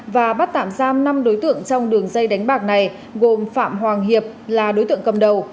và bắt tạm giam năm đối tượng trong đường dây đánh bạc này gồm phạm hoàng hiệp là đối tượng cầm đầu